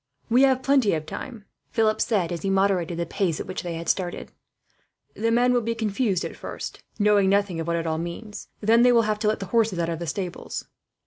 "We have plenty of time," Philip said, as he moderated the pace at which they had started. "The men will be confused at first, knowing nothing of what it all means. Then they will have to get the horses out of the stables."